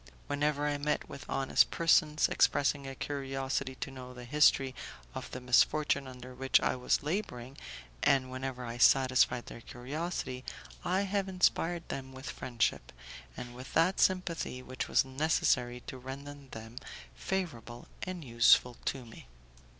Whenever I met with honest persons expressing a curiosity to know the history of the misfortune under which I was labouring, and whenever I satisfied their curiosity, I have inspired them with friendship, and with that sympathy which was necessary to render them favourable and useful to me.